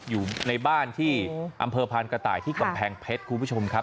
อยู่ในบ้านที่อำเภอพานกระต่ายที่กำแพงเพชรคุณผู้ชมครับ